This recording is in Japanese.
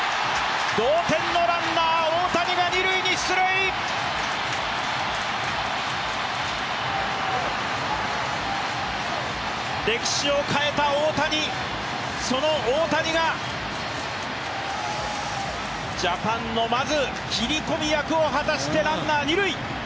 同点のランナー、大谷が二塁に出塁歴史を変えた大谷、その大谷がジャパンのまず切り込み役を果たしてランナー二塁。